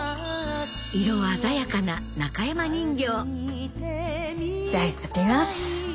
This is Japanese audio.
色鮮やかな中山人形じゃあやってみます。